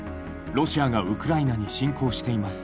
ロシアがウクライナに侵攻しています。